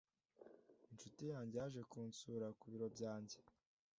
Inshuti yanjye yaje kunsura ku biro byanjye.